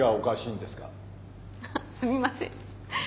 あっすみません。